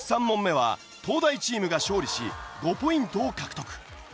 ３問目は東大チームが勝利し５ポイントを獲得。